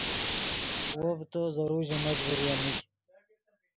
وو ڤے تو ژیم ضرور مجبورین نیگ